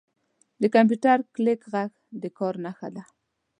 • د کمپیوټر کلیک ږغ د کار نښه ده.